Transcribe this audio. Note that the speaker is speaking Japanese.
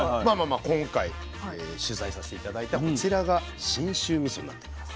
今回取材させて頂いたこちらが信州みそになってます。